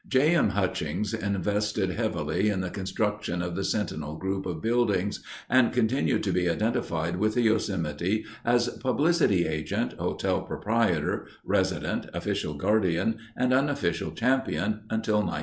J. M. Hutchings invested heavily in the construction of the Sentinel group of buildings and continued to be identified with the Yosemite as publicity agent, hotel proprietor, resident, official guardian, and unofficial champion until 1902.